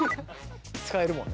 使えるもんね。